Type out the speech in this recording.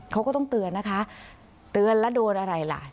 เขาก็ต้องเตือนนะคะเตือนแล้วโดนอะไรล่ะ